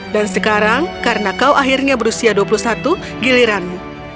dan sekarang karena kau akhirnya berdua kau bisa menjaga ibu peri